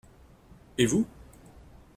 Et vous ?